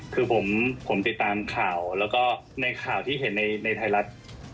คือผมติดตามข่าวแล้วก็ในข่าวที่เห็นในไทยรัฐ